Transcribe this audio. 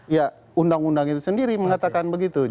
ya undang undang itu sendiri mengatakan begitu